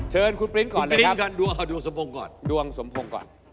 เชิญคุณปริ้นก่อนเลยครับครับดวงสมพงศ์ก่อนครับดวงสมพงศ์ก่อน